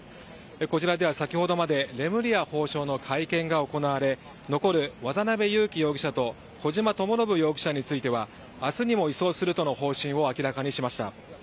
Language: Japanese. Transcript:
こちらでは先ほどまでレムリヤ法相の会見が行われ、残る渡辺優樹容疑者と小島智信容疑者についてはあすにも移送するとの方針を明らかにしました。